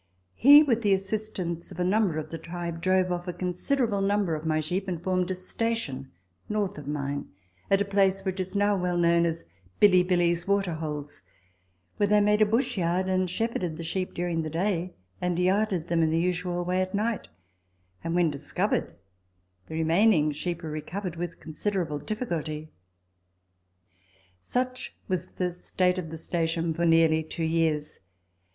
He, with the assistance of a number of the tribe, drove off a considerable number of my sheep and formed a station north of mine, at a place which is now well known as Billy Billy's Water Holes, where they made a bush yard and shepherded the sheep during the day and yarded them in the usual way at night, and when discovered the remaining sheep were recovered with considerable difficulty. Such was the state of the station for nearly two years.